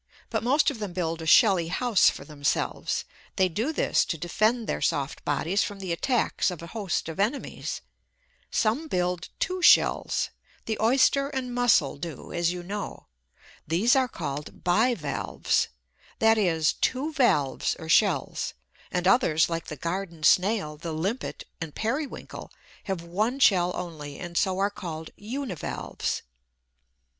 But most of them build a shelly house for themselves; they do this to defend their soft bodies from the attacks of a host of enemies. Some build two shells the Oyster and Mussel do, as you know. These are called bi valves; that is, two valves or shells; and others, like the Garden Snail, the Limpet, and Periwinkle, have one shell only, and so are called uni valves.